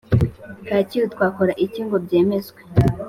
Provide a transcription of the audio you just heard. Kacyiru Twakora Iki ngo byemezwe